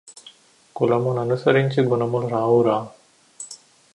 కులము ననుసరించి గుణములు రావురా